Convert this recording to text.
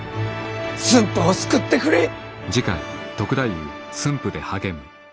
駿府を救ってくれい。